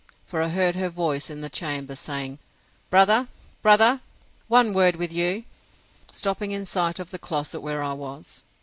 for I heard her voice in the chamber, saying, Brother, brother, one word with you—stopping in sight of the closet where I was.